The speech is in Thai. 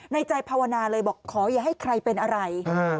ในใจภาวนาเลยบอกขออย่าให้ใครเป็นอะไร